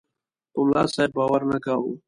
په ملاصاحب باور نه کاوه.